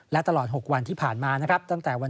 และตลอด๖วันที่ผ่านมานะครับ